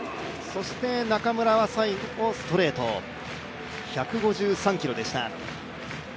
そして中村は最後ストレート、１５３キロでした。